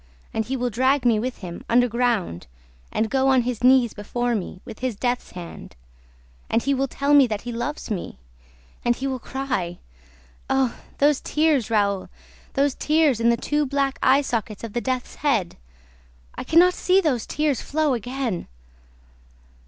And he will drag me with him, underground, and go on his knees before me, with his death's head. And he will tell me that he loves me! And he will cry! Oh, those tears, Raoul, those tears in the two black eye sockets of the death's head! I can not see those tears flow again!"